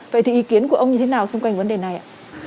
vậy thì ý kiến của ông như thế nào xung quanh vấn đề này ạ